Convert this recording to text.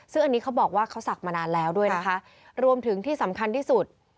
ซึ่งอันนี้เขาบอกว่าเขาศักดิ์มานานแล้วด้วยนะคะรวมถึงที่สำคัญที่สุด